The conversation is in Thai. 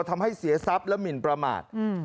ทำให้เสียทรัพย์และหมินประมาท